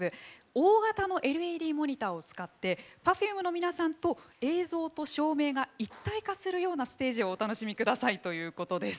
大型のＬＥＤモニターを使ってＰｅｒｆｕｍｅの皆さんと映像と照明が一体化するようなステージをお楽しみくださいということです。